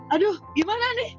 aduh gimana nih